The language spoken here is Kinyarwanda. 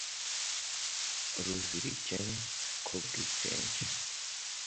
ruzirikene ko ubwitenge/